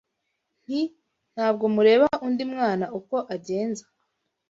Nti: ntabwo mureba Undi mwana uko agenza!